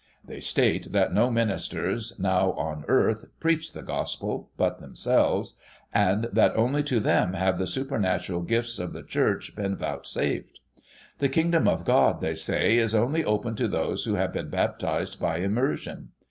They state that no ministers, now on earth, preach the Gospel, but themselves, and that, only to them have the supernatural gifts of the Church been vouchsafed. The Kingdom of God, they say, is only open to those who have been baptised by immersion.